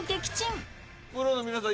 プロの皆さん